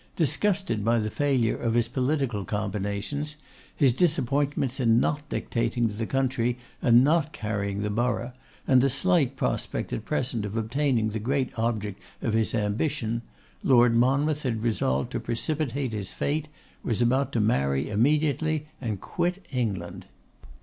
Disgusted by the failure of his political combinations, his disappointments in not dictating to the county and not carrying the borough, and the slight prospect at present of obtaining the great object of his ambition, Lord Monmouth had resolved to precipitate his fate, was about to marry immediately, and quit England.